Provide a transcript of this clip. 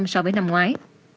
so với năm ngoái